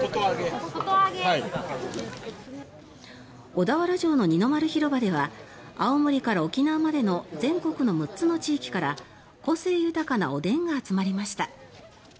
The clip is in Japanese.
小田原城の二の丸広場では青森から沖縄までの全国の６つの地域から個性豊かなおでんが集まりました。